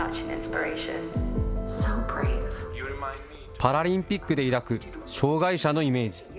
パラリンピックで抱く障害者のイメージ。